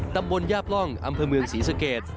ตำบลย่าปล่องอำเภอเมืองศรีสเกต